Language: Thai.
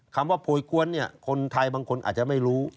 คำว่าโพยกวนเนี่ยคนไทยบางคนอาจจะไม่รู้